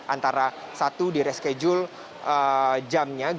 antara satu di reschedule jamnya